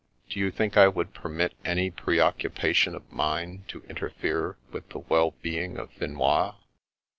Do you think I would permit any preoccupation of mine to interfere with the well being of Finois ?